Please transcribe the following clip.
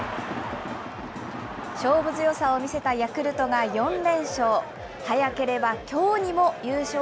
勝負強さを見せたヤクルトが４連勝。